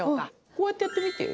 こうやってやってみて。